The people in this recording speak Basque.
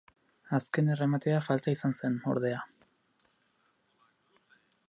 Azken errematea falta izan zen, ordea.